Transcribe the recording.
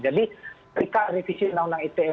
jadi ketika revisi undang undang ite